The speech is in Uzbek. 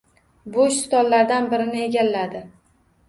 Bo‘sh stollardan birini egalladi.